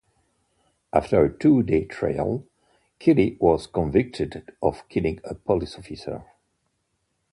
After a two-day trial, Kelly was convicted of killing a police officer.